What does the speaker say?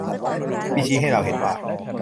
ที่ชี้ให้เราเห็นว่า